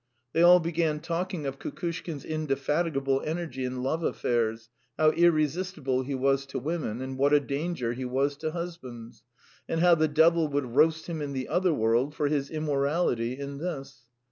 They all began talking of Kukushkin's indefatigable energy in love affairs, how irresistible he was to women, and what a danger he was to husbands; and how the devil would roast him in the other world for his immorality in this.